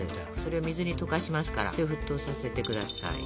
それを水に溶かしますからそれ沸騰させてください。